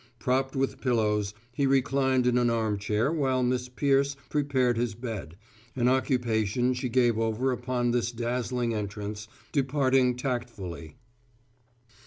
Propped with pillows, he reclined in an armchair while Miss Peirce prepared his bed, an occupation she gave over upon this dazzling entrance, departing tactfully.